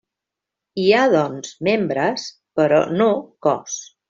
Hi ha, doncs, membres, però no cos.